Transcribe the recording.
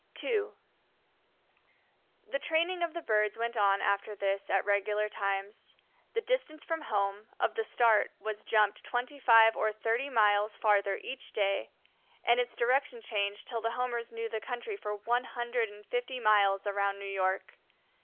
II The training of the birds went on after this at regular times. The distance from home, of the start, was "jumped" twenty five or thirty miles farther each day, and its direction changed till the Homers knew the country for one hundred and fifty miles around New York.